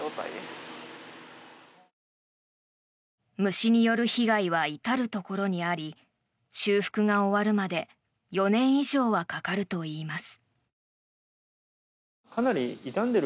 虫による被害は至るところにあり修復が終わるまで４年以上はかかるといいます。